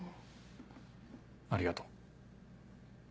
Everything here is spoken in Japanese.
ありがとう。